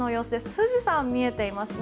富士山が見えていますね。